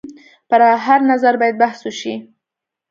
پر هر نظر باید بحث وشي.